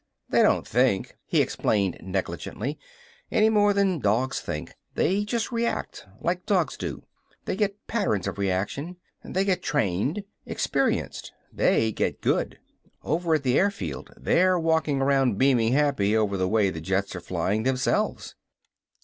"They don't think," he explained negligently, "any more than dogs think. They just react like dogs do. They get patterns of reaction. They get trained. Experienced. They get good! Over at the airfield they're walking around beaming happy over the way the jets are flyin' themselves."